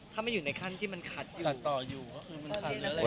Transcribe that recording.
ถ้าไม่อยู่ในขั้นที่มันขัดอยู่